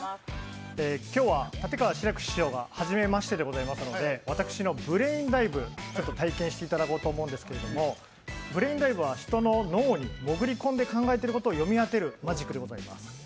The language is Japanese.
今日は立川志らく師匠がはじめましてでございますので、私のブレインダイブ体験していただきたいと思うんですけどブレインダイブは人の脳に潜り込んで、考えていることを読み当てるマジックでございます。